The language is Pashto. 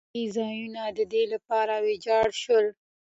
تاریخي ځایونه د دې لپاره ویجاړ شول.